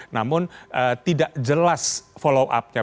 namun tidak jelas follow upnya